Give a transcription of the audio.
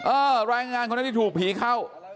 เออรายงานของนั้นที่ถูกผีเข้า